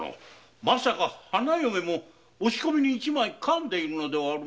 まさか花嫁も押し込みに一枚かんでいるのではあるまいな？